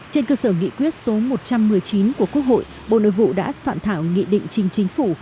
trên cơ sở nghị quyết số một trăm một mươi chín của quốc hội bộ nội vụ đã soạn thảo nghị định trình chính phủ